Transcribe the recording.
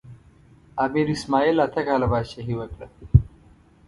امیر اسماعیل اته کاله پاچاهي وکړه.